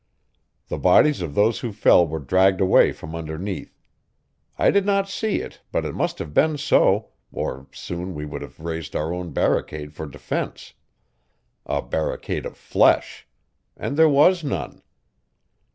The bodies of those who fell were dragged away from underneath. I did not see it, but it must have been so, or soon we would have raised our own barricade for defense a barricade of flesh. And there was none.